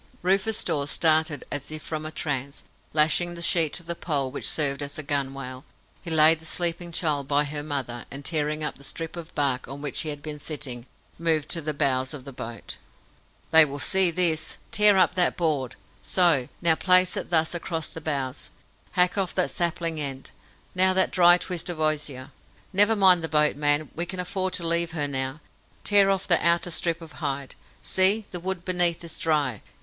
Rufus Dawes started as if from a trance. Lashing the sheet to the pole which served as a gunwale, he laid the sleeping child by her mother, and tearing up the strip of bark on which he had been sitting, moved to the bows of the boat. "They will see this! Tear up that board! So! Now, place it thus across the bows. Hack off that sapling end! Now that dry twist of osier! Never mind the boat, man; we can afford to leave her now. Tear off that outer strip of hide. See, the wood beneath is dry!